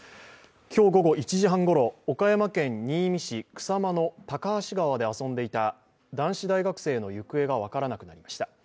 今日午後１時半ごろ、岡山県新見市草間の高梁川で遊んでいた男子大学生の行方が分からなくなりました。